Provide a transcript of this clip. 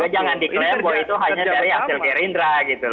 jangan diklaim bahwa itu hanya dari hasil gerindra gitu